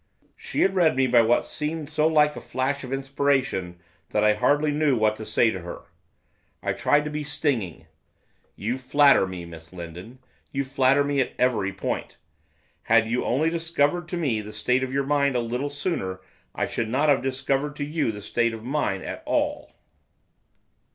She had read me by what seemed so like a flash of inspiration that I hardly knew what to say to her. I tried to be stinging. 'You flatter me, Miss Lindon, you flatter me at every point. Had you only discovered to me the state of your mind a little sooner I should not have discovered to you the state of mine at all.